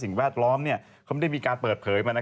สิ่งแวดล้อมเขาได้มีการเปิดเผย